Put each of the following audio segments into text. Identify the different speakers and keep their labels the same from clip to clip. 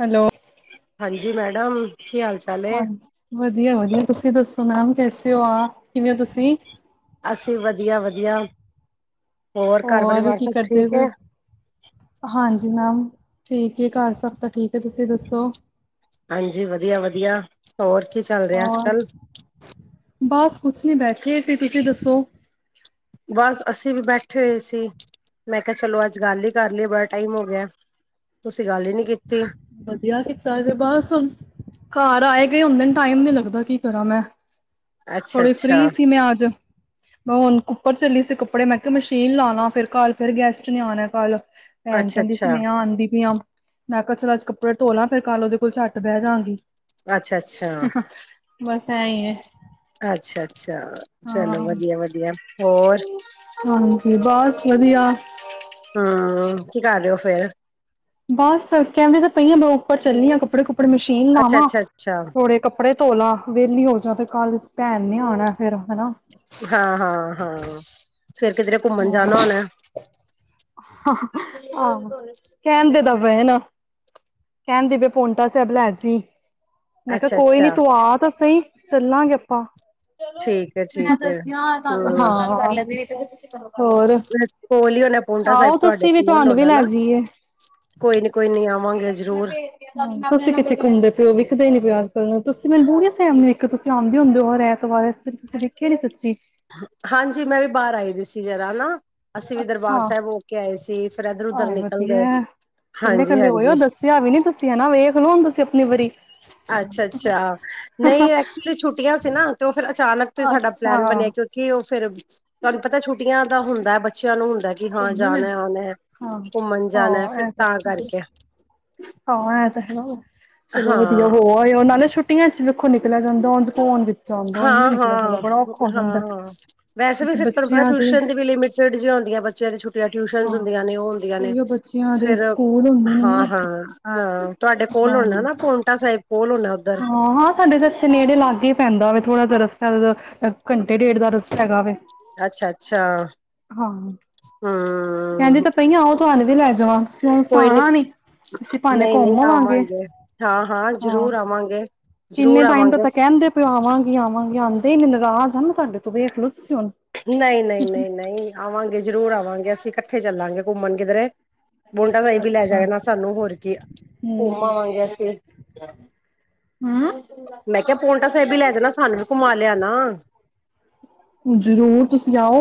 Speaker 1: Hello,
Speaker 2: ਹਾਂਜੀ madam ਕੀ ਹਾਲ ਚਾਲ ਏ?
Speaker 1: ਹਾਂਜੀ ਵਧੀਆ ਵਧੀਆ ਤੁਸੀਂ ਦੱਸੋ ਨਾਮ ਕੈਸੇ ਹੋ ਆਪ ਕਿਵੇਂ ਹੋ ਤੁਸੀਂ
Speaker 2: ਅਸੀਂ ਵਧੀਆ ਵਧੀਆ ਹੋਰ ਘਰ ਪਰਿਵਾਰ
Speaker 1: ਕੀ
Speaker 2: ਸਭ
Speaker 1: ਕਰਦੇ
Speaker 2: ਠੀਕ
Speaker 1: ਪਏ ਹੋ?
Speaker 2: ਹੈ।
Speaker 1: ਹਾਂਜੀ ਮੈਮ ਠੀਕ ਹੈ ਘਰ ਸਭ ਤਾਂ ਠੀਕ ਹੈ ਤੁਸੀਂ ਦੱਸੋ
Speaker 2: ਹਾਂਜੀ ਵਧੀਆ ਵਧੀਆ ਹੋਰ ਕੀ ਚੱਲ ਰਿਹਾ ਅੱਜ
Speaker 1: ਹੋਰ
Speaker 2: ਕੱਲ
Speaker 1: ਬਸ ਕੁਛ ਨਹੀਂ ਬੈਠੇ ਸੀ ਤੁਸੀਂ ਦੱਸੋ
Speaker 2: ਬਸ ਅਸੀਂ ਵੀ ਬੈਠੇ ਹੋਏ ਸੀ ਮੈਂ ਕਿਹਾ ਚਲੋ ਅੱਜ ਗੱਲ ਹੀ ਕਰ ਲਈਏ ਬੜਾ ਟਾਈਮ ਹੋ ਗਿਆ। ਤੁਸੀਂ ਗੱਲ ਹੀ ਨੀ ਕੀਤੀ
Speaker 1: ਵਧੀਆ ਕੀਤਾ ਏ ਬਾਤ ਸੁਣ ਘਰ ਆਏ ਗਏ ਹੁੰਦੇ ਨੇ ਟਾਈਮ ਨੀ ਲੱਗਦਾ ਕੀ ਕਰਾਂ ਮੈਂ
Speaker 2: ਅੱਛਾ
Speaker 1: ਥੋੜੀ
Speaker 2: ਅੱਛਾ
Speaker 1: ਫਰੀ ਸੀ ਮੈਂ ਅੱਜ ਮੈਂ ਹੁਣ ਉੱਪਰ ਚੱਲੀ ਸੀ ਕੱਪੜੇ ਮੈਂ ਕਿਹਾ ਮਸ਼ੀਨ ਲਾ ਲਾ ਫਿਰ ਕੱਲ ਫਿਰ ਗੈਸਟ ਨੇ ਆਣਾ ਕੱਲ ਭੈਣ
Speaker 2: ਅੱਛਾ
Speaker 1: ਕਹਿੰਦੀ ਸੀ
Speaker 2: ਅੱਛਾ
Speaker 1: ਸਨੇਹਾ ਆਉਂਦੀ ਪਈਆਂ ਮੈਂ ਕਿਹਾ ਚਲਾ ਅੱਜ ਕੱਪੜੇ ਧੋਲਾਂ ਫਿਰ ਕੱਲ ਉਹਦੇ ਕੋਲ ਝੱਟ ਬਹਿ ਜਾਂਗੀ
Speaker 2: ਅੱਛਾ ਅੱਛਾ
Speaker 1: ਬਸ ਐਹੀ ਐ
Speaker 2: ਅੱਛਾ ਅੱਛਾ ਚਲੋ ਵਧੀਆ ਵਧੀਆ ਹੋਰ
Speaker 1: ਹਾਂਜੀ ਬਸ ਵਧੀਆ
Speaker 2: ਹੂੰ ਕੀ ਕਰ ਰਹੇ ਹੋ ਫਿਰ
Speaker 1: ਬਸ ਕਹਿੰਦੇ ਤਾਂ ਪਈ ਮੈਂ ਉੱਪਰ ਚੱਲੀ ਕੱਪੜੇ ਕੁੱਪੜੇ ਮਸ਼ੀਨ
Speaker 2: ਅੱਛਾ
Speaker 1: ਲਾਵਾਂ
Speaker 2: ਅੱਛਾ ਅੱਛਾ
Speaker 1: ਥੋੜੇ ਕੱਪੜੇ ਧੋਲਾ ਵਿਹਲੀ ਹੋ ਜਾ ਤੇ ਕੱਲ ਭੈਣ ਨੇ ਆਉਣਾ ਫਿਰ ਹਨਾ
Speaker 2: ਹਾਂ ਹਾਂ ਹਾਂ ਫਿਰ ਕਿਧਰੇ ਘੁੰਮਣ
Speaker 1: ਹਾਂ
Speaker 2: ਜਾਣਾ ਹੋਣਾ
Speaker 1: ਆਹੋ ਕਹਿੰਦੇ ਤਾਂ ਪੇ ਨਾ ਕਹਿੰਦੇ ਪੋਂਟਾ ਸਹਿਬ ਲੈ ਜੀ। ਮੈਂ
Speaker 2: ਅੱਛਾ
Speaker 1: ਕੋਈ ਨੀ
Speaker 2: ਅੱਛਾ
Speaker 1: ਤੂੰ ਆ ਤਾਂ ਸਹੀ ਚੱਲਾਂਗੇ ਆਪਾਂ। ਚਲੋ
Speaker 2: ਠੀਕ ਹੈ
Speaker 1: ਮੈਂ
Speaker 2: ਠੀਕ ਹੈ
Speaker 1: ਦੱਸਦੀ ਹਾਂ ਤੁਹਾਨੂੰ
Speaker 2: ਹੂੰ
Speaker 1: [unintelligible] ਤੁਸੀਂ ਕਰੋ ਹੋਰ
Speaker 2: ਕੋਲ ਹੀ ਹੋਣਾ ਪੋਂਟਾ ਸਾਹਿਬ
Speaker 1: ਆਓ
Speaker 2: ਤੁਹਾਡੇ
Speaker 1: ਤੁਸੀਂ ਵੀ
Speaker 2: ਕੋਲ
Speaker 1: ਤੁਹਾਨੂੰ ਵੀ
Speaker 2: ਹੋਣਾ ਨਾ
Speaker 1: ਲੈ ਜਾਈਏ।
Speaker 2: ਕੋਈ ਨੀ ਕੋਈ ਨੀ ਆਵਾਂਗੇ।
Speaker 1: ਇਨਾ
Speaker 2: ਜ਼ਰੂਰ
Speaker 1: ਭੇ ਹਾਂ ਤੁਸੀਂ ਕਿੱਥੇ ਘੁੰਮਦੇ ਪਏ ਵਿਖਦੇ ਨੀ ਪਓ ਅੱਜ ਕੱਲ ਨੂੰ ਤੁਸੀਂ ਮੈਨੂੰ ਫੈਮਿਲੀ ਇੱਕ ਤੁਸੀਂ ਆਉਂਦੇ ਹੁੰਦੇ ਹਰ ਐਤਵਾਰ। ਤੁਸੀਂ ਵਖਿਆ ਨੀ ਸੱਚੀ।
Speaker 2: ਹਾਂਜੀ ਮੈਂ ਵੀ ਬਾਹਰ ਆਈ ਦੀ ਸੀ ਜਰਾ ਹਨਾ ਅਸੀਂ ਵੀ ਦਰਬਾਰ
Speaker 1: ਅੱਛਾ
Speaker 2: ਸਾਹਿਬ ਹੋ ਕੇ ਆਏ ਸੀ। ਫਿਰ ਇਧਰ ਉਧਰ
Speaker 1: ਆਏ
Speaker 2: ਨਿਕਲ ਗਏ
Speaker 1: ਵਧੀਆ ਕੱਲੇ
Speaker 2: ਹਾਂਜੀ
Speaker 1: ਕੱਲੇ ਹੋਏ ਹੋ
Speaker 2: ਹਾਂਜੀ।
Speaker 1: ਦੱਸਿਆ ਵੀ ਨੀ ਤੁਸੀਂ ਹੈਨਾ ਵੇਖ ਲੋ ਹੁਣ ਤੁਸੀਂ ਆਪਣੀ ਵਾਰੀ।
Speaker 2: ਅੱਛਾ ਅੱਛਾ ਨਹੀਂ ਐਕਚੁਲੀ ਛੁੱਟੀਆਂ ਸੀ ਨਾ ਤੇ ਉਹ ਫਿਰ ਅਚਾਨਕ ਤੋਂ ਹੀ ਸਾਡਾ
Speaker 1: ਅੱਛਾ
Speaker 2: ਪਲੈਨ ਬਣਿਆ ਕਿ ਕਿ ਉਹ ਫਿਰ ਤੁਹਾਨੂੰ ਪਤਾ ਛੁੱਟੀਆਂ ਦਾ ਹੁੰਦਾ ਬੱਚਿਆਂ ਨੂੰ ਹੁੰਦਾ। ਕਿ ਹਾਂ
Speaker 1: ਘੁੰਮਣ ਲੈ
Speaker 2: ਜਾਣਾ ਆਣਾ
Speaker 1: ਹਾਂ
Speaker 2: ਘੁੰਮਣ ਜਾਣਾ
Speaker 1: ਹਾਂ
Speaker 2: ਫਿਰ
Speaker 1: ਇਹ
Speaker 2: ਤਾਂ ਕਰਕੇ।
Speaker 1: ਹਾਂ ਐ ਤਾਂ ਦੇਖ ਲੋ ਚਲੋ ਵਧੀਆ
Speaker 2: ਹਾਂ
Speaker 1: ਹੋ ਆਏ ਉਹੇ ਛੁੱਟ। ਛੁਟੀਆਂ ਚ ਵੇਖੋ ਨਿਕਲ ਜਾਂਦਾ ਉੰਝ ਕੁੰਜ
Speaker 2: ਹਾਂ ਹਾਂ ਹਾਂ ਹਾਂ ਵੈਸੇ ਵੀ
Speaker 1: ਕਿਉਂਕਿ
Speaker 2: ਫਿਰ ਪਰ
Speaker 1: ਬੱਚਿਆਂ ਦੇ
Speaker 2: ਟਿਊਸ਼ਨ ਦੀ ਵੀ ਲਿਮਿਟ। ਲਿਚੜ ਜਿਆਂ ਹੁੰਦੀਆਂ ਬੱਚਿਆਂ ਨੇ ਛੁਟੀਆਂ ਟਿਊਸ਼ਨ
Speaker 1: ਹਾਂ
Speaker 2: ਹੁੰਦੀਆਂ ਨੇ ਉਹ ਹੁੰਦੀਆਂ ਨੇ।
Speaker 1: ਉਹੀਓ ਬੱਚਿਆਂ ਦੇ
Speaker 2: ਫਿਰ
Speaker 1: ਸਕੂਲ ਹੁੰਦੇ ਨੇ ਨਾ
Speaker 2: ਹਾਂ ਹਾਂ ਅਹ ਤੁਹਾਡੇ ਕੋਲ
Speaker 1: ਹਾਂ
Speaker 2: ਹੋਣਾ ਨਾ ਪੋਂਟਾ ਸਾਹਿਬ ਕੋਲ ਹੋਣਾ। ਉੱਧਰ।
Speaker 1: ਹਾਂ। ਸਾਡੇ ਤਾਂ ਇੱਥੇ ਨੇੜੇ ਲਾਗੇ ਹੀ ਪੈਂਦਾ ਵਾ ਥੋੜਾ ਜਿਹਾ ਰਸਤਾ ਘੰਟੇ ਡੇਢ ਦਾ ਰਸਤਾ ਹੈਗਾ ਵੇ।
Speaker 2: ਅੱਛਾ ਅੱਛਾ
Speaker 1: ਹਾਂ ਕਹਿੰਦੀ
Speaker 2: ਹੂੰ।
Speaker 1: ਤਾਂ ਪਈ ਆਓ ਤੁਹਾਨੂੰ ਵੀ ਲੈ ਜਾਵਾਂ ਤੁਸੀਂ ਤਾਂ ਹੁਣ ਆਉਣਾ ਹੀ ਨਹੀਂ।
Speaker 2: ਨਹੀਂ ਨਹੀਂ ਆਵਾਂਗੇ ਹਾਂ ਹਾਂ ਜ਼ਰੂਰ ਆਵਾਂਗੇ।
Speaker 1: ਕਿੰਨੇ
Speaker 2: ਜ਼ਰੂਰ
Speaker 1: ਟਾਈਮ ਤੋ-
Speaker 2: ਆਵਾਂਗੇ,
Speaker 1: ਤਾਂ ਕੈਂਦੇ ਪਏ ਆਵਾਂਗੀ -ਆਵਾਂਗੀ ਆਂਦੇ ਨੀ, ਨਾਰਾਜ਼ ਆ ਮੈ ਤਾਡੇ ਤੋ ਵੇਖ ਲਓ ਤੁਸੀ ਹੁਨ।
Speaker 2: ਨਈ -ਨਈ ਨਈ- ਨਈ ਆਵਾਂਗੇ ਜ਼ਰੂਰ ਆਵਾਂਗੇ ਅਸੀਂ ਇਕੱਠੇ ਚੱਲਾਂਗੇ ਘੁੰਮਣ ਕਿਧਰੇ। ਮੁੰਡਾ ਸਾਨੂੰ ਗੱਡੀ ਚ ਲੈ
Speaker 1: ਅੱਛਾ
Speaker 2: ਜਾਏਗਾ ਸਾਨੂੰ ਹੋਰ ਕੀ ਆ, ਘੁੰਮ ਆਵਾਂਗੇ ਅਸੀਂ।
Speaker 1: ਹੂੰ
Speaker 2: ਮੈਂ ਕੇਹਾ ਪੋਂਟਾ ਸਾਹਿਬ ਵੀ ਲੈ ਜਾਣਾ ਸਾਨੂੰ ਵੀ ਘੁੰਮਾ ਲਿਆਨਾ
Speaker 1: ਜ਼ਰੂਰ ਤੁਸੀਂ ਆਓ।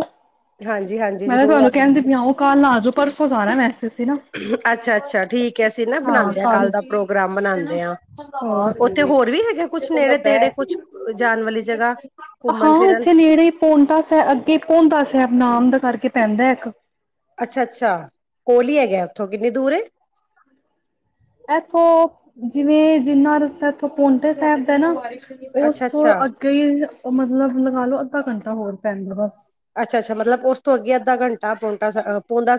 Speaker 2: ਹਾਂਜੀ ਹਾਂਜੀ
Speaker 1: ਮੈਂ ਤਾ
Speaker 2: ਜ਼ਰੂਰ
Speaker 1: ਤੁਹਾਨੂੰ ਕੈਣਦੀ
Speaker 2: ਆਵਾਂਗੇ।
Speaker 1: ਪਈ ਆ, ਓ ਕੱਲ ਆ ਜਾਓ ਪਰਸੋਂ ਜਾਨਾ ਵੈਸੇ ਅਸੀ ਨਾ
Speaker 2: ਅੱਛਾ ਅੱਛਾ ਠੀਕ ਹੈ ਅਸੀਂ ਨਾ
Speaker 1: ਹਾਂ
Speaker 2: ਬਣਾਉਂਦੇ ਕੱਲ
Speaker 1: ਕਲ,
Speaker 2: ਦਾ ਪ੍ਰੋਗਰਾਮ
Speaker 1: ਤੇ ਨਾ
Speaker 2: ਬਣਾਉਂਦੇ ਹਾਂ। ਉੱਥੇ ਹੋਰ ਵੀ ਹੈਗਾ ਕੁਛ
Speaker 1: ਬੰਦਾ
Speaker 2: ਨੇੜੇ ਤੇੜੇ
Speaker 1: ਬੈਹ ਸੀ।
Speaker 2: ਕੁਛ ਜਾਣ ਵਾਲੀ ਜਗ੍ਹਾ
Speaker 1: ਹਾਂ
Speaker 2: ਘੁੰਮਣ ਫਿਰਨ।
Speaker 1: ਏਥੇ ਨੇੜੇ। ਪੋਨਟਾ ਸਾਹਿਬ, ਅੱਗੇ ਪੋਨਟਾ ਸਾਹਿਬ ਨਾਮ ਦਾ ਕਰਕੇ ਪੈਂਦਾ ਇੱਕ
Speaker 2: ਅੱਛਾ- ਅੱਛਾ ਕੋਲੀ ਈ ਹੈਗਾ ਉੱਥੋਂ ਕਿੰਨੀ ਦੂਰ ਆ
Speaker 1: ਬਸ ਨਾਲ ਹੀ ਤਾ ਹੈਗਾ। ਇਥੇ, ਜਿਵੇਂ ਜਿੰਨਾ ਰਸਤਾ ਇਥੋਂ ਪੋਂਟੇ ਸਾਹੇਬ ਦਾ ਹੈ ਨਾ ਓਸ
Speaker 2: ਅੱਛਾ
Speaker 1: ਤੋਂ
Speaker 2: ਅੱਛਾ।
Speaker 1: ਅੱਗੇ ਮਤਲਬ ਲਗਾ ਲਓ, ਅੱਧਾ ਘੰਟਾ ਹੋਰ ਪੈਂਦਾ ਬਸ।
Speaker 2: ਅੱਛਾ- ਅੱਛਾ ਮਤਲਬ ਉਸ ਤੋਂ ਅੱਗੇ ਅੱਧਾ ਘੰਟਾ ਹੋਰ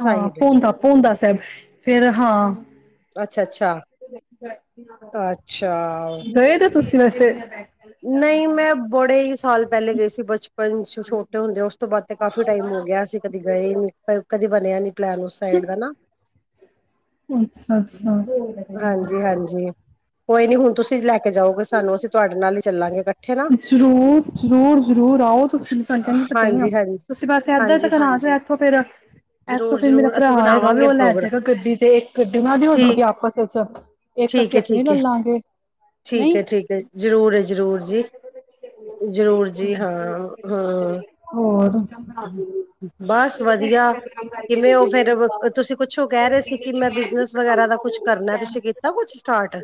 Speaker 1: ਹਾਂ ਭੋਂਦਾ- ਭੋਂਦਾ ਸਾਹਿਬ ਫੇਰ ਹਾਂ।
Speaker 2: ਅੱਛਾ -ਅੱਛਾ, ਅੱਛਾ
Speaker 1: ਗਏ ਤੇ ਤੁਸੀਂ ਵੈਸੇ
Speaker 2: ਨਈ ਮੈਂ ਬੜੇ ਈ ਸਾਲ ਪੇਲੇ ਗਏ ਸੀ, ਬਚਪਨ ਚ ਛੋਟੇ ਹੁੰਦੇ ਓਸ ਉਸ ਤੋਂ ਬਾਅਦ ਤੇ ਕਾਫ਼ੀ ਟਾਈਮ ਹੋ ਗੇਆ, ਅਸੀਂ ਕਦੇ ਗਏ ਨੀ, ਕਦੇ ਬਣੇਆ ਨੀ ਪਲੈਨ ਉਸ ਸਾਈਡ ਦਾ ਨਾ।
Speaker 1: ਅੱਛਾ -ਅੱਛਾ।
Speaker 2: ਹਾਂਜੀ- ਹਾਂਜੀ ਕੋਈ ਨੀ ਹੁਣ ਤੁਸੀਂ ਲੈ ਕੇ ਜਾਓਗੇ ਸਾਨੂੰ ਅਸੀਂ ਤੁਆਡੇ ਨਾਲ ਈ ਚੱਲਾਂਗੇ ਇਕੱਠੇ ਨਾ।
Speaker 1: ਹਾ ਜ਼ਰੂਰ- ਜ਼ਰੂਰ ਆਓ ਤੁਸੀਂ। ਤਾਨੂੰ ਕੈਂਦੀ ਤਾ ਪਈ ਆ,
Speaker 2: ਹਾਂਜੀ ਹਾਂਜੀ
Speaker 1: ਤੁਸੀਂ ਬਸ ਏਧਰ
Speaker 2: ਹਾਂਜੀ
Speaker 1: ਤੱਕ ਆਜੋ
Speaker 2: ਹਾਂਜੀ
Speaker 1: ਏਥੋਂ ਫਿਰ ਇਥੋਂ
Speaker 2: ਜ਼ਰੂਰ
Speaker 1: ਫੇਰ ਮੇਰਾ
Speaker 2: ਜ਼ਰੂਰ
Speaker 1: ਭਰਾ
Speaker 2: ਅਸੀਂ
Speaker 1: ਹੈਗਾ ਵਾ
Speaker 2: ਬਣਾਵਾਂਗੇ
Speaker 1: ਓਹ ਲੈ
Speaker 2: ਪ੍ਰੋਗਰਾਮ
Speaker 1: ਜਾਏਗਾ ਗੱਡੀ ਤੇ, ਇੱਕ ਗੱਡੀ ਓਨਾ ਦੀ ਹੋਜੂਗੀ
Speaker 2: ਠੀਕ
Speaker 1: ਆਪਸ ਵਿੱਚ ਏਕ
Speaker 2: ਠੀਕ
Speaker 1: ਅਸੀਂ
Speaker 2: ਹੈ
Speaker 1: ਆਪਣੀ
Speaker 2: ਠੀਕ ਹੈ
Speaker 1: ਲੈਲਾ ਗੇ।
Speaker 2: ਠੀਕ ਆ -ਠੀਕ ਆ, ਜ਼ਰੂਰ ਆ- ਜ਼ਰੂਰ ਜੀ- ਜ਼ਰੂਰ ਜੀ ਹਾਂ ਹਾਂ
Speaker 1: ਹੋਰ ਬਣਾ
Speaker 2: ਬਸ ਵਧੀੱਆ, ਕਿਵੇਂ ਓਹ ਫੇਰ ਤੁਸੀਂ ਕੁੱਛੋ ਕੈ ਰਹੇ ਸੀ ਕਿ ਮੈਂ ਬਿਜਨਸ ਵਗੈਰਾ ਦਾ ਕੁਛ ਕਰਨਾ, ਤੁਸੀਂ ਕੀਤਾ ਕੁਛ ਸਟਾਰਟ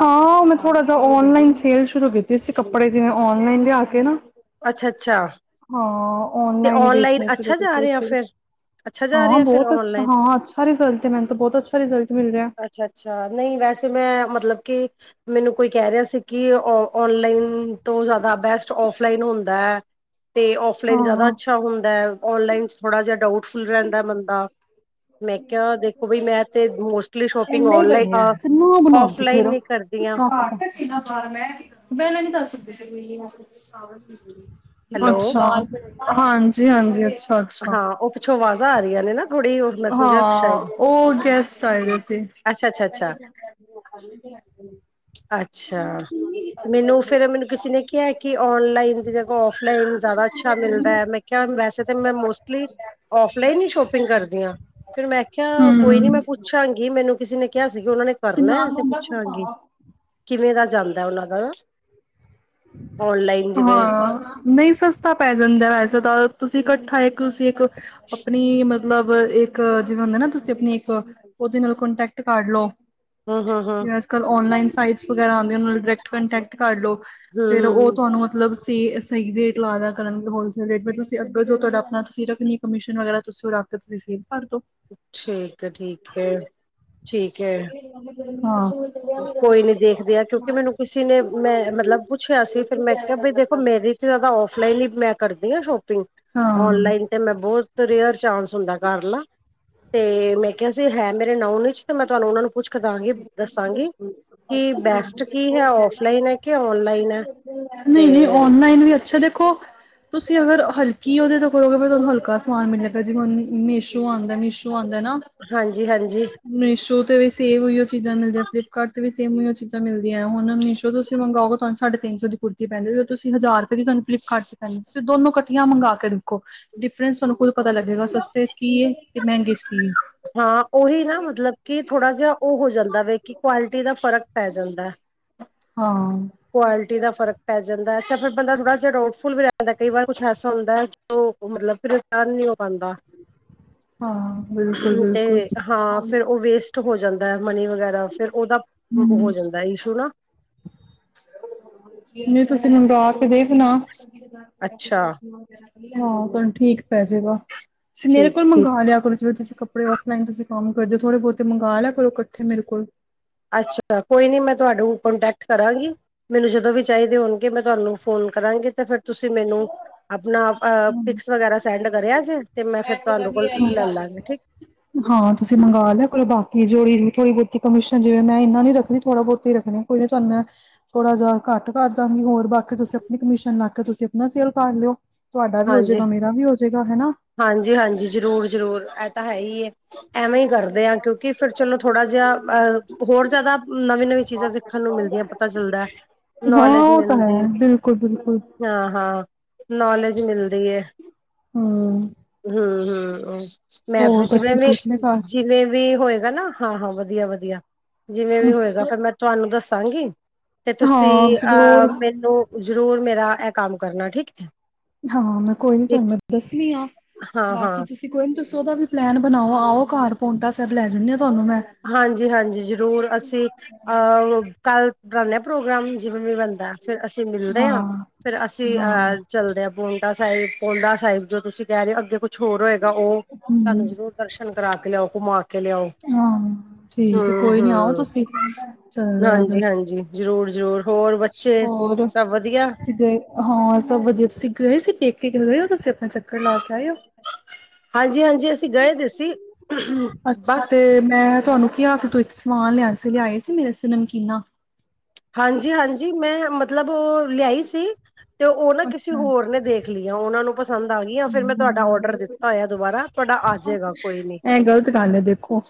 Speaker 1: ਹਾਂ, ਉਹ ਮੈਂ ਥੋੜਾ ਜੇਆ ਓਨਲਾਈਨ ਸੇਲ ਸ਼ੁਰੂ ਕੀਤੀ ਸੀ ਕੱਪੜੇ ਜਿਵੇਂ ਓਨਲਾਈਨ ਲਿਆ ਕੇ ਨਾ
Speaker 2: ਅੱਛਾ- ਅੱਛਾ
Speaker 1: ਹਾਂ
Speaker 2: ਤੇ
Speaker 1: ਔਨਲਾਈਨ ਈ ਵੇਚਣੇ ਸ਼ੁਰੂ
Speaker 2: ਅੱਛਾ ਜਾ
Speaker 1: ਕੀਤੇ
Speaker 2: ਰਿਹਾ
Speaker 1: ਸੀ।
Speaker 2: ਫਿਰ ਅੱਛਾ ਜਾ
Speaker 1: ਹਾਂ
Speaker 2: ਰਿਹਾ ਫਿਰ
Speaker 1: ਬੋਤ ਅੱਛ
Speaker 2: ਔਨਲਾਈਨ
Speaker 1: ਹਾਂ, ਅੱਛਾ ਰਿਜ਼ਲਟ ਆ, ਮੈਨੂੰ ਤਾ ਬੋਤ ਅੱਛਾ ਰਿਜ਼ਲਟ ਮਿਲ ਗੇਆ।
Speaker 2: ਅੱਛਾ -ਅੱਛਾ ਨਈ ਵੈਸੇ ਮੈਂ ਮਤਲਬ ਕਿ ਮੈਨੂੰ ਕੋਈ ਕੈ ਰੇਹਾ ਸੀ ਕਿ ਔਨਲਾਈਨ ਤੋਂ ਜ਼ਾਦਾ ਬੈਸਟ ਔਫਲਾਈਨ ਹੁੰਦਾ, ਤੇ
Speaker 1: ਹਾਂ
Speaker 2: ਔਫਲਾਈਨ ਜਾ
Speaker 1: ਹਾਂ
Speaker 2: ਅੱਛਾ ਹੁੰਦਾ ਏ, ਔਨਲਾਈਨ ਚ ਥੋੜਾ ਜੇਆ ਡਾਊਟਫੁਲ ਰੈਂਦਾ ਬੰਦਾ ਮੈਂ ਕੇਆ ਦੇਖੋ ਬਈ ਮੈਂ ਤੇ ਮੋਸਟਲੀ ਸ਼ੋਪਿੰਗ ਔਨਲਾਈਨ ਆ। ਔਫਲਾਈਨ ਈ ਕਰਦੀਆਂ।
Speaker 1: ਤੇ ਸੀਨਾ ਭਾਰ ਮੈਂ ਪੇਲਾ ਨੀ ਦੱਸ ਸਕਦੇ ਸੀ
Speaker 2: ਹੈਲੋ
Speaker 1: ਹਾਂਜੀ -ਹਾਂਜੀ ਅੱਛਾ। ਅੱਛਾ
Speaker 2: ਹਾਂ ਓ, ਪਿੱਛੋਂ ਆਵਾਜ਼ਾਂ ਆ ਰਹੀਆਂ ਨੇ, ਨਾ ਥੋੜੀ ਓ ਮੈਂ ਸਮਝੇਆ ਸ਼ਾਏਦ
Speaker 1: ਓ ਗੈਸਟ ਆਏ ਹੋਏ ਸੀ।
Speaker 2: ਅੱਛਾ-ਅੱਛਾ-ਅੱਛਾ, ਅੱਛਾ ਮੈਨੂੰ ਫੇਰ ਮੈਨੂੰ ਕਿਸੇ ਨੇ ਕਿਹਾ ਕਿ ਔਨਲਾਈਨ ਦੀ ਜਗ੍ਹਾ ਔਫਲਾਈਨ ਜ਼ਿਆਦਾ ਅੱਛਾ ਮਿਲਦਾ ਮੈਂ ਕਿਆ ਵੈਸੇ ਤਾਂ ਮੈਂ ਮੋਸਟਲੀ ਔਫਲਾਈਨ ਈ ਸ਼ੋਪਿੰਗ ਕਰਦੀ ਆ, ਫੇਰ ਮੈਂ ਖਿਆ ਕੋਈ ਨੀ
Speaker 1: ਹਮ
Speaker 2: ਮੈਂ
Speaker 1: ਤੇ
Speaker 2: ਪੁੱਛਾਂਗੀ ਮੈਨੂੰ ਕਿਸੇ ਨੇ ਕਿਹਾ ਸੀਗਾ ਉਹਨਾਂ ਨੇ ਕਰਨਾ
Speaker 1: ਨਾਲ
Speaker 2: ਤੇ
Speaker 1: ਲੰਬਾ ਸੁੱਕਾ
Speaker 2: ਪੁੱਛਾਂਗੀ।
Speaker 1: ਵਾ
Speaker 2: ਕਿਵੇਂ ਦਾ ਜਾਂਦਾ ਉਹਨਾਂ ਦਾ। ਔਨਲਾਈਨ ਜਿਵੇਂ
Speaker 1: ਹਾਂ ਨਹੀਂ ਸਸਤਾ ਪੈ ਜਾਂਦਾ ਵੈਸੇ ਤਾਂ ਤੁਸੀਂ ਇਕੱਠਾ ਇੱਕ ਤੁਸੀਂ ਇੱਕ, ਆਪਣੀ ਮਤਲ ਮਤਲਬ ਇੱਕ ਜਿਵੇਂ ਹੁੰਦਾ ਨਾ ਤੁਸੀਂ ਆਪਣੀ ਇੱਕ, ਉਹਦੇ ਨਾਲ ਕੋਂਟੈਕਟ ਕਰ ਲਓ।
Speaker 2: ਹੂੰ ਹੂੰ ਹੂੰ।
Speaker 1: ਅੱਜਕੱਲ ਔਂਨਲਾਈਨ ਸਾਈਟਸ ਵਗੈਰਾ ਆਂਦੇ ਉਹਨਾਂ ਨਾ ਡਰੈਕਟ ਕਾਂਟੈਕਟ ਕਰ ਲੋ, ਫਿਰ ਉਹ
Speaker 2: ਹੂੰ-ਹੂੰ-ਹੂੰ,
Speaker 1: ਤੁਹਾਨੂੰ ਮਤਲਬ ਤੇ ਸਹੀ ਰੇਟ ਲਾ ਦਿਆ ਕਰਨਗੇ ਹੋਲਸੇਲ ਰੇਟ ਤੇ ਤੁਸੀਂ ਅਗਰ ਜੋ ਤੁਹਾਡਾ ਆਪਣਾ ਤੁਸੀਂ ਰੱਖਣੀ ਕਮਿਸ਼ਨ ਵਗੈਰਾ ਤੁਸੀਂ ਉਹ ਰੱਖ ਤੁਸੀਂ ਸੇਲ ਭਰ ਤੋਂ
Speaker 2: ਠੀਕ ਐ ਠੀਕ ਐ, ਠੀਕ ਐ।
Speaker 1: ਹਾਂ।
Speaker 2: ਕੋਈ ਨੀ ਦੇਖਦੇ ਆ ਕਿਉਂਕਿ ਮੈਨੂੰ ਕਿਸੇ ਨੇ ਮੈਂ ਮਤਲਬ ਪੁੱਛਿਆ ਸੀ ਫਿਰ ਮੈਂ ਕਿਹਾ ਬਈ ਦੇਖੋ ਮੇਰੀ ਜ਼ਿਆਦਾ ਔਫਲਾਈਨ ਹੀ ਮੈਂ ਕਰਦੀ ਆ ਸ਼ੋਪਿੰਗ,
Speaker 1: ਹਾਂ
Speaker 2: ਔਨਲਾਈਨ ਤੇ ਮੈਂ ਬਹੁਤ ਰੇਅਰ ਚਾਂਸ ਹੁੰਦਾ ਕਰਲਾ, ਤੇ ਮੈਂ ਕਿਹਾ ਸੀ ਹੈ ਮੇਰੇ ਨਊਨ ਵਿੱਚ ਤੇ ਮੈਂ ਤੁਹਾਨੂੰ ਉਹਨਾਂ ਨੂੰ ਕੁਛ ਕਰਾਂਗੇ ਦੱਸਾਂਗੀ, ਕੀ ਬੈਸਟ ਕੀ ਹੈ ਔਫਲਾਈਨ ਏ ਕਿ ਔਨਲਾਈਨ ਐ।
Speaker 1: ਨਹੀਂ-ਨਹੀਂ ਔਨਲਾਈਨ ਵੀ ਅੱਛਾ ਦੇਖੋ ਤੁਸੀਂ ਅਗਰ ਹਲਕੀ ਉਹਦੇ ਤੋਂ ਕਰੋਗੇ ਫਿਰ ਤੁਹਾਨੂੰ ਹਲਕਾ ਸਮਾਨ ਮਿਲਣ ਲੱਗਾ ਜਿਵੇਂ ਹੁਣ ਮੀਸ਼ੋ ਆਂਦਾ ਮੀਸ਼ੋ ਆਂਦਾ ਨਾ।
Speaker 2: ਹਾਂਜੀ-ਹਾਂਜੀ।
Speaker 1: ਮੀਸ਼ੋ ਤੇ ਵੀ ਸੇਮ ਉਹੀਓ ਚੀਜਾਂ ਮਿਲਦੀਆਂ ਫਲਿੱਪ ਕਾਰਟ ਤੇ ਵੀ ਸੇਮ ਉਹੀਓ ਚੀਜ਼ਾਂ ਮਿਲਦੀਆਂ ਹੁਣ ਮੀਸ਼ੋ ਤੋ ਤੁਸੀਂ ਮੰਗਾਓਗੇ ਤੁਹਾਨੂੰ ਸਾਢੇ ਤਿੰਨ ਸੌ ਕੁੁਰਤੀ ਪੈਂਦੀ ਜਦੋਂ ਤੁਸੀਂ ਹਜ਼ਾਰ ਰੁਪਏ ਦੀ ਤੁਹਾਨੂੰ ਫਲਿਪਕਾਰਟ ਤੇ ਪੈਂਦੀ। ਸੋ ਦੋਨੋਂ ਕੱਠੀਆਂ ਮੰਗਾ ਕੇ ਦੇਖੋ ਡਿਫਰੈਂਸ ਤੁਹਾਨੂੰ ਕੋਈ ਪਤਾ ਲੱਗੇਗਾ ਸਸਤੇ 'ਚ ਕੀ ਏ, ਤੇ ਮਹਿੰਗੇ 'ਚ ਕੀ ਏ।
Speaker 2: ਹਾਂ ਉਹੀ ਨਾ ਮਤਲਬ ਕਿ ਥੋੜ੍ਹਾ ਜਾ ਉਹ ਹੋ ਜਾਂਦਾ ਵਾ ਕਿ ਕੁਆਲਿਟੀ ਦਾ ਫ਼ਰਕ ਪੈ ਜਾਂਦਾ।
Speaker 1: ਹਾਂ।
Speaker 2: ਕੁਆਲਿਟੀ ਦਾ ਫ਼ਰਕ ਪੈ ਜਾਂਦਾ ਅੱਛਾ ਫਿਰ ਬੰਦਾ ਥੋੜਾ ਜਾ ਡਾਊਟੁਲ ਵੀ ਰਹਿ ਜਾਂਦਾ ਕਈ ਵਾਰ ਕੁਛ ਐਸਾ ਹੁੰਦਾ ਉਹ ਮਤਲਬ ਫਿਰ ਨੀ ਹੋ ਪਾਂਦਾ
Speaker 1: ਹਾਂ ਬਿਲਕੁਲ-ਬਿਲਕੁਲ,
Speaker 2: ਤੇ ਹਾਂ ਫੇਰ ਉਹ ਵੇਸਟ ਹੋ ਜਾਂਦਾ ਹੈ ਮਨੀ ਵਗੈਰਾ ਫਿਰ ਉਹਦਾ, ਹੋ
Speaker 1: ਹੂੰ।
Speaker 2: ਜਾਂਦਾ ਇਸ਼ੂ ਨਾ।
Speaker 1: ਤੁਸੀਂ ਮੰਗਾ ਕੇ ਦੇਖਣਾ।
Speaker 2: ਅੱਛਾ
Speaker 1: ਹਾਂ ਤੁਹਾਨੂੰ ਠੀਕ ਪੈ ਜੇ ਗਾ, ਤੁਸੀਂ ਮੇਰੇ
Speaker 2: ਠੀਕ
Speaker 1: ਕੋਲ
Speaker 2: ਠੀਕ
Speaker 1: ਮੰਗਵਾ ਲਿਆ ਕਰ ਜਿਵੇਂ ਤੁਸੀਂ ਕੱਪ ਕੱਪੜੇ ਔਫਲਾਈਨ ਤੁਸੀਂ ਕੰਮ ਕਰਦੇ ਓ ਥੋੜੇ ਬਹੁਤ ਮਗਾ ਲਿਆ ਕਰੋ ਇਕੱਠੇ ਮੇਰੇ ਕੋਲੋ।
Speaker 2: ਅੱਛਾ ਕੋਈ ਨੀ ਮੈਂ ਤੁਹਾਨੂੰ ਕੋਂਟੈਕਟ ਕਰਾਂਗੀ। ਮੈਨੂੰ ਜਦੋਂ ਵੀ ਚਾਹੀਦੇ ਹੋਣਗੇ ਮੈਂ ਤੁਹਾਨੂੰ ਫੋਨ ਕਰਾਂਗੀ ਤੇ ਫਿਰ ਤੁਸੀਂ ਮੈਨੂੰ, ਆਪਣਾ ਅ ਪਿਕਸ ਵਗੈਰਾ ਸੈਂਡ ਕਰਿਆ ਜੇ ਤੇ ਮੈਂ ਫਿਰ ਤੁਹਾਨੂੰ ਕੋਲ ਲੈ ਲਾਂਗਾ ਠੀਕ।
Speaker 1: ਹਾਂ ਤੁਸੀਂ ਮੰਗਵਾ ਲਿਆ ਕੋਲ ਬਾਕੀ ਜੋੜੀ ਥੋੜੀ ਬਹੁਤੀ ਕਮਿਸ਼ਨ ਜਿਵੇਂ ਮੈਂ ਇਨਾ ਨੀ ਰੱਖਦੀ ਥੋੜਾ ਬਹੁਤੀ ਰੱਖਣੀ ਕੋਈ ਨਾ ਤੁਹਾਨੂੰ ਥੋੜ੍ਹਾ ਜਾ ਘੱਟ ਕਰਦਾਂਗੀ ਹੋਰ ਬਾਕੀ ਤੁਸੀਂ ਆਪਣੀ ਕਮਿਸ਼ਨ ਲਾ ਕੇ ਤੁਸੀਂ ਆਪਣਾ ਸੇਲ ਕਰ ਲਿਓ। ਤੁਹਾਡਾ ਵੀ
Speaker 2: ਹਾਂਜੀ
Speaker 1: ਹੋਜੇਗਾ ਮੇਰਾ ਵੀ ਹੋਜੇਗਾ ਹਨਾ।
Speaker 2: ਹਾਂਜੀ-ਹਾਂਜੀ ਜ਼ਰੂਰ-ਜ਼ਰੂਰ ਐ ਤਾਂ ਹੈ ਈ ਐ। ਐਵੇਂ ਹੀ ਕਰਦੇ ਆ ਕਿਉਂਕਿ ਫਿਰ ਚਲੋ ਥੋੜ੍ਹਾ ਜਾ, ਅ ਹੋਰ ਜਿਆਦਾ ਨਵੀਂ-ਨਵੀਂ ਚੀਜ਼ਾਂ ਤੇ ਖਣ ਨੂੰ ਮਿਲਦੀਆਂ ਪਤਾ ਚੱਲਦੈ
Speaker 1: ਹਾਂ ਓ ਤਾਂ ਹੈ ਬਿਲਕੁੱਲ-ਬਿਲਕੁੱਲ
Speaker 2: ਹਾਂ-ਹਾਂ ਨੌਲੇਜ ਮਿਲਦੀ ਏ।
Speaker 1: ਹੂੰ।
Speaker 2: ਹੂੰ -ਹੂੰ ਮੈਂ
Speaker 1: ਹੋਰ
Speaker 2: [unintelligible] ਜਿਵੇਂ
Speaker 1: ਬੱਚੇ
Speaker 2: ਵੀ
Speaker 1: ਠੀਕ ਨੇ ਘਰ।
Speaker 2: ਜਿਵੇਂ ਵੀ ਹੋਏਗਾ ਨਾ। ਹਾਂ-ਹਾਂ ਵਧੀਆ-ਵਧੀਆ ਜਿਵੇਂ ਵੀ ਹੋਏਗਾ
Speaker 1: ਅੱਛਾ
Speaker 2: ਫੇਰ ਮੈਂ ਤੁਹਾਨੂੰ ਦੱਸਾਂਗੀ। ਤੇ ਤੁਸੀਂ
Speaker 1: ਹਾਂ
Speaker 2: ਅ
Speaker 1: ਜ਼ਰੂਰ
Speaker 2: ਮੈਨੂੰ ਜ਼ਰੂਰ ਮੇਰਾ ਏ ਕੰਮ ਕਰਨਾ ਠੀਕ ਐ।
Speaker 1: ਹਾਂ ਮੈਂ ਕੋਈ ਨੀ ਤੁਹਾਨੂੰ ਮੈਂ ਦੱਸਣੀ ਹਾਂ
Speaker 2: ਹਾਂ-ਹਾਂ
Speaker 1: ਬਾਕੀ ਤੁਸੀਂ ਕੋਈ ਨੀ ਤੁਸੀ ਓਦਾ ਵੀ ਪਲੈਨ ਬਣਾਓ ਆਓ ਘਰ ਪੋਂਟਾ ਸੈਬ ਲੈ ਜਾਂਨੇ ਆ ਤੁਹਾਨੂੰ ਮੈਂ।
Speaker 2: ਹਾਂਜੀ-ਹਾਂਜੀ ਜ਼ਰੂਰ ਅਸੀਂ ਅ ਕੱਲ ਕਰਲਿਆ ਪ੍ਰੋਗਰਾਮ ਜਿਵੇਂ ਵੀ ਬਣਦਾ ਫਿਰ ਅਸੀਂ ਮਿਲਦੇ ਆ
Speaker 1: ਹਾਂ
Speaker 2: ਫਿਰ ਅਸੀਂ
Speaker 1: ਹਾਂ
Speaker 2: ਅ ਚੱਲਦੇ ਆ ਪੋਂਟਾ ਸਾਇਬ ਪੋਂਡਾ ਸਾਇਬ ਜੋ ਤੁਸੀਂ ਕੈ ਰੇ ਓ ਅੱਗੇ ਕੋ ਕੁੱਛ ਓਰ ਹੋਏਗਾ ਓ
Speaker 1: ਹਮ
Speaker 2: ਸਾਨੂੰ ਜ਼ਰੂਰ ਦਰਸ਼ਨ ਕਰਾ ਕੇ ਲਿਆਓ ਘੁਮਾ ਕੇ ਲਿਆਓ।
Speaker 1: ਹਾਂ ਠੀਕ ਕੋਈ ਨੀ ਆਓ
Speaker 2: ਹੂੰ-ਹੂੰ
Speaker 1: ਤੁਸੀਂ ਚੱਲਦੇ ਆ ਫਿਰ।
Speaker 2: ਹਾਂਜੀ-ਹਾਂਜੀ ਜ਼ਰੂਰ-ਜ਼ਰੂਰ ਹੋਰ ਬੱਚੇ
Speaker 1: ਹੋਰ
Speaker 2: ਸਭ ਵਧੀਆ।
Speaker 1: ਤੁਸੀਂ ਗਏ ਹਾਂ ਸਭ ਵਧੀਆ ਤੁਸੀਂ ਗਏ ਸੀ ਪੇਕੇ ਗਏ ਓ ਤੁਸੀਂ ਆਪਣਾ ਚੱਕਰ ਲਾ ਕੇ ਆਏ ਓ।
Speaker 2: ਹਾਂਜੀ-ਹਾਂਜੀ ਗਏ ਦੇ ਸੀ
Speaker 1: ਅੱਛਾ
Speaker 2: ਬਸ
Speaker 1: ਤੇ ਮੈਂ ਤੁਹਾਨੂੰ ਕਿਆ ਸੀ [unintelligible] ਸਮਾਨ ਲਿਆ ਸੀ ਲਿਆਏ ਸੀ ਮੇਰਾ ਸ ਨਮਕੀਨਾ।
Speaker 2: ਹਾਂਜੀ-ਹਾਂਜੀ ਮੈਂ ਮਤਲਬ ਓ ਲਿਆਈ ਸੀ। ਤੇ ਓ ਨਾ ਕਿਸੀ ਹੋਰ ਨੇ ਦੇਖ ਲੀਆਂ ਉਨਾਂ ਨੂੰ ਪਸੰਦ ਆ ਗਈ ਆਗੀਆਂ ਫਿਰ ਮੈਂ ਤੁਹਾਡਾ ਓਡਰ ਦਿੱ
Speaker 1: ਅੱਛਾ
Speaker 2: ਤਾ ਹੋਇਆ ਦੁਬਾਰਾ ਤੁਹਾਡਾ ਆਜੇਗਾ ਕੋਈ ਨੀ।
Speaker 1: ਇਹ ਗ਼ਲਤ ਗੱਲ ਹੈ ਦੇਖੋ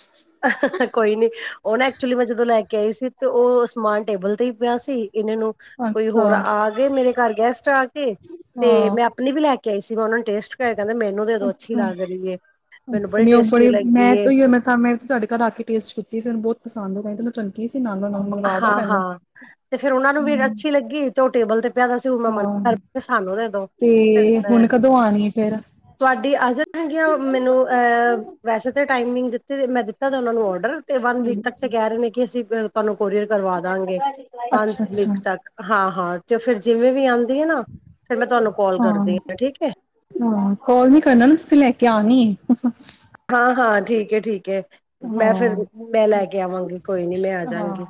Speaker 2: ਕੋਈ ਨੀ ਓ ਨਾ ਐਕਚੁਲੀ ਮੈਂ ਜਦੋਂ ਲੈ ਕੇ ਆਈ ਸੀ ਤੇ ਓ ਸਮਾਨ ਟੇਬਲ ਤੇ ਈ ਪਿਆ ਸੀ ਇੰਨੇ ਨੂੰ ਕੋਈ
Speaker 1: ਅੱਛਾ
Speaker 2: ਹੋਰ ਆਗੇ ਮੇਰੇ ਘਰ ਗੈਸਟ ਆ ਗੇ ਤੇ
Speaker 1: ਹਾਂ
Speaker 2: ਮੈਂ ਆਪਣੀ ਵੀ ਲੈ ਕੇ ਆਈ ਸੀ ਮੈਂ ਉਨਾ ਨੂੰ ਟੇਸਟ ਕਰਾਇਆ ਕੈਂਦਾ ਮੈਨੂੰ ਦੇ ਦੋ ਅੱਛੀ ਲੱਗ ਰਹੀ ਏ ਮੈਨੂੰ
Speaker 1: ਅੱਛਾ-ਅੱਛਾ ਨੀ ਓ
Speaker 2: ਟੇਸਟੀ
Speaker 1: ਬੜੀ
Speaker 2: ਲੱਗੀ
Speaker 1: ਮੈਂ ਤੇ
Speaker 2: ਏ
Speaker 1: ਓਈ ਮੈਂ ਤਾਂ ਮੈਂ ਤੁਹਾਡੇ ਘਰ ਆ ਕੇ ਟੇਸਟ ਕੀਤੀ ਸੀ ਓਨੂੰ ਬੋਤ ਪਸੰਦ ਆ ਤਾਂਈ ਤਾਂ ਮੈਂ ਤੁਆਨੂੰ ਕਿਆ ਸੀ ਨਾਲੋ ਨਾਲ ਮੰਗਵਾ ਦੋ ਮੈਨੂੰ
Speaker 2: ਹਾਂ-ਹਾਂ ਤੇ ਫੇਰ ਓਨਾਂ ਨੂੰ ਵੀ
Speaker 1: ਹੂੰ
Speaker 2: ਅੱਛੀ ਲੱਗੀ ਤੇ ਓ ਟੇਬਲ ਤੇ ਜਾਦਾ ਸੂਰਮਾ
Speaker 1: ਹਾਂ
Speaker 2: [unintelligible] ਸਾਨੂੰ ਦੇਦੋ
Speaker 1: ਤੇ ਹੁਣ
Speaker 2: [unintelligible]
Speaker 1: ਕਦੋਂ ਆਣੀ ਹੈ ਫੇਰ
Speaker 2: ਤੁਹਾਡੀ ਆ ਜਾਣਗੀਆਂ ਮੈਨੂੰ ਅ ਵੈਸੇ ਤਾਂ ਟਾਈਮਿੰਗ ਦਿੱਤੀ ਮੈਂ ਦਿ [unintelligible] ਓਨਾਂ ਨੂੰ ਔਡਰ ਤੇ ਵਨ ਵੀਕ ਤੱਕ ਤੇ ਕੈ ਰੇ ਨੇ ਕੇ ਅਸੀਂ ਤੁਹਾਨੂੰ ਕੋਰੀਅਰ ਕਰਵਾ ਦਾਂਗੇ ਪੰਜ
Speaker 1: ਅੱਛਾ ਅੱਛਾ
Speaker 2: ਵੀਕ ਤੱਕ ਹਾਂ-ਹਾਂ ਤੇ ਫਿਰ ਜਿਵੇਂ ਵੀ ਆ ਦੀਐ ਫੇਰ ਮੈਂ ਤੁਹਾਨੂੰ ਕੋਲ
Speaker 1: ਹਾਂ
Speaker 2: ਕਰਦੀ ਆ ਠੀਕ ਐ।
Speaker 1: ਹਾਂ ਕੋਲ ਨੀ ਕਰਨਾ ਨਾ ਤੁਸੀਂ ਲੈ ਕੇ ਆਣੀ।
Speaker 2: ਹਾਂ-ਹਾਂ ਠੀਕ ਏ ਠੀਕ ਏ। ਮੈਂ ਫਿਰ
Speaker 1: ਹਾਂ
Speaker 2: ਮੈਂ ਲੈ ਕੇ ਆਵਾਂਗੀ ਕੋਈ ਨੀ ਮੈਂ
Speaker 1: ਹਾਂ
Speaker 2: ਅਜਾਂਗੀ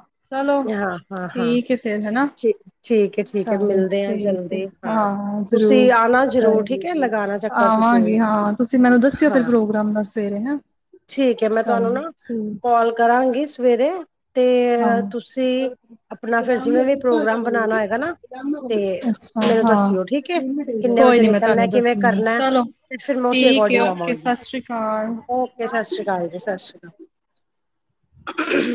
Speaker 2: ਹਾਂ-ਹਾਂ-ਹਾਂ
Speaker 1: ਤੇ ਹਨਾ। ਚਲ
Speaker 2: ਆ
Speaker 1: ਠੀਕ ਐ
Speaker 2: ਜਲਦੀ
Speaker 1: ਹਾਂ ਜ਼ਰੂਰ
Speaker 2: ਤੁਸੀਂ ਆਣਾ ਜ਼ਰੂਰ ਠੀਕ ਹੈ
Speaker 1: ਚਲ
Speaker 2: ਲਗਾਣਾ ਚੱਕਰ ਤੁਸੀਂ ਵੀ
Speaker 1: ਆਵਾਂਗੇ ਹਾਂ ਤੁਸੀਂ ਮੈਨੂੰ ਦੱਸਿਓ ਫਿਰ
Speaker 2: ਹਾਂ
Speaker 1: ਪ੍ਰੋਗਰਾਮ ਦ
Speaker 2: ਠੀਕ ਐ ਮੈਂ ਤੁਹਾਨੂੰ ਨਾ ਕੋਲ ਕਰਾਂਗੀ ਸਵੇਰੇ। ਤੇ
Speaker 1: ਹਾਂ,
Speaker 2: ਤੁਸੀਂ ਆਪਣਾ ਫਿਰ ਜਿਵੇਂ ਵੀ ਪ੍ਰੋਗਰਾਮ ਬਣਾਣਾ ਹੋਏਗਾ ਨਾ ਤੇ
Speaker 1: ਅੱਛਾ
Speaker 2: ਮੈਨੂੰ
Speaker 1: ਹਾਂ।
Speaker 2: ਦੱਸਿਓ ਠੀਕ ਐ ਕਿੰਨੇ
Speaker 1: ਕੋਈ
Speaker 2: ਵਜੇ
Speaker 1: ਨੀ ਮੈਂ
Speaker 2: ਨਿਕਲਣਾ
Speaker 1: ਤੁਹਾਨੂੰ
Speaker 2: ਕਿਵੇਂ
Speaker 1: ਦੱਸਣੀ ਆ,
Speaker 2: ਕਰਨੈ।
Speaker 1: ਚਲੋ
Speaker 2: ਤੇ ਫਿਰ ਮੈਂ ਉਸੇ
Speaker 1: ਠੀਕ ਏ,
Speaker 2: ਅਕੋਰਡਿੰਗ
Speaker 1: ਓਕੇ
Speaker 2: ਆਵਾਂਗੀ।
Speaker 1: ਸਤਿ ਸ੍ਰੀ ਅਕਾਲ।
Speaker 2: ਓਕੇ ਸਸ ਸ਼੍ਰੀ ਕਾਲ ਜੀ ਸਤਿ ਸ਼੍ਰੀ ਕਾ।